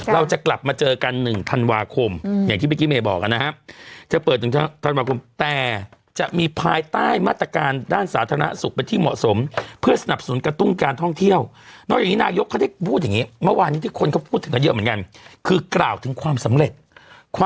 เราจะกลับมาเจอกัน๑ทันวาคมอย่างที่เมคิเมคบอก